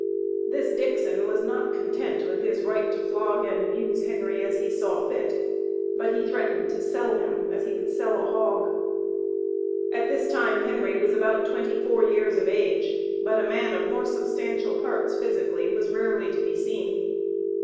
This Dixon was not content with his right to flog and abuse Henry as he saw fit, but he threatened to sell him, as he would sell a hog. At this time Henry was about twenty four years of age, but a man of more substantial parts physically was rarely to be seen.